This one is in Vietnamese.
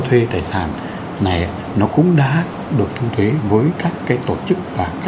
tại các chung cư cao ốc